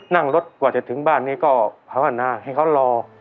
นั่งรถกว่าจะถึงบ้านนี้ก็ภาวนาให้เขารอ